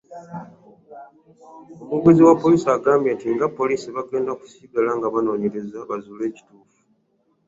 Omwogezi wa poliisi agamba nti nga poliisi bagenda kusigala nga banoonyereza bazuule ekituufu.